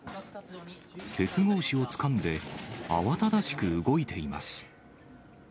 鉄格子をつかんで、慌ただしく動いています。